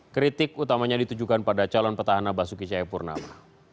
kritik utamanya ditujukan pada calon petahana basuki cahaya purnama